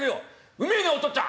うめえねお父っつぁん」。